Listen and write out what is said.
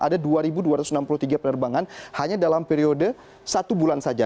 ada dua dua ratus enam puluh tiga penerbangan hanya dalam periode satu bulan saja